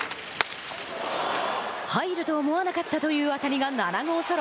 入ると思わなかったという当たりが７号ソロ。